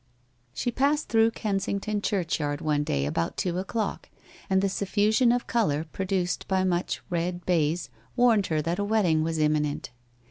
She passed through Kensington church yard one day about two o'clock and the suffusion of colour produced by much rod baize warned her that a wedding was imminent.